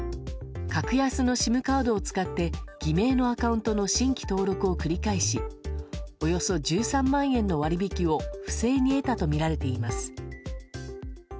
格安のＳＩＭカードを使って偽名のアカウントの新規登録を繰り返しおよそ１３万円の割引を不正に得たとみられています。